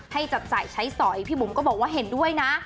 ให้จับจ่ายใช้สอยพี่บุ๋มก็บอกว่าเห็นด้วยนะ